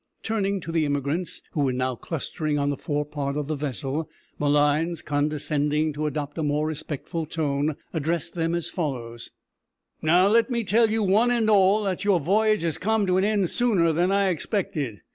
Turning to the emigrants, who were now clustering on the fore part of the vessel, Malines, condescending to adopt a more respectful tone, addressed them as follows: "Now, let me tell you, one and all, that your voyage has come to an end sooner than I expected.